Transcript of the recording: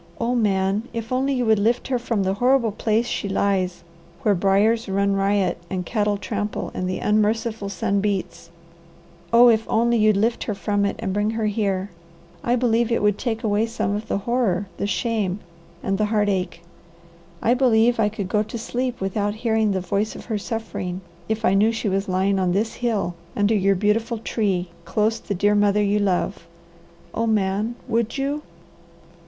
Oh Man, if only you would lift her from the horrible place she lies, where briers run riot and cattle trample and the unmerciful sun beats! Oh if only you'd lift her from it, and bring her here! I believe it would take away some of the horror, the shame, and the heartache. I believe I could go to sleep without hearing the voice of her suffering, if I knew she was lying on this hill, under your beautiful tree, close the dear mother you love. Oh Man, would you